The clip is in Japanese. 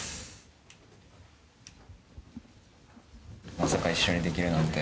まさか一緒にできるなんて。